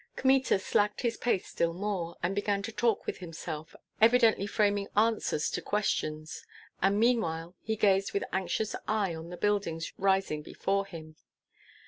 Kmita slackened his pace still more, and began to talk with himself, evidently framing answers to questions; and meanwhile he gazed with anxious eye on the buildings rising before him.